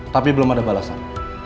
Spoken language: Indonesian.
tapi belum ada balasan